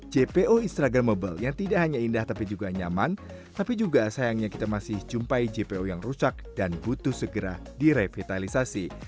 jpo instagramable yang tidak hanya indah tapi juga nyaman tapi juga sayangnya kita masih jumpai jpo yang rusak dan butuh segera direvitalisasi